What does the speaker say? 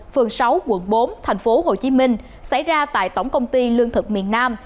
phường sáu quận bốn thành phố hồ chí minh xảy ra tại tổng công ty lương thực miền nam